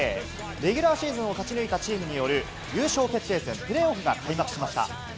レギュラーシーズンを勝ち抜いたチームによる優勝決定戦プレーオフが開幕しました。